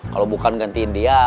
kalau bukan gantiin dia